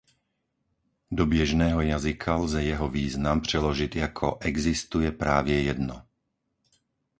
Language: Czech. Do běžného jazyka lze jeho význam přeložit jako "existuje právě jedno".